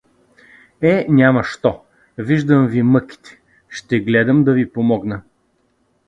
— Е, няма що… виждам ви мъките, ще гледам да ви помогна.